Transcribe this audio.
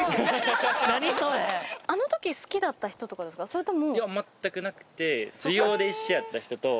それとも？